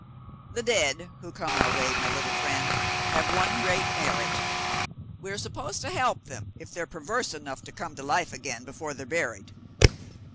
The Dead who come our way, my little friend, have one great merit. We are supposed to help them, if they're perverse enough to come to life again before they're buried.